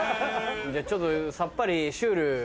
じゃあちょっとさっぱりシュール。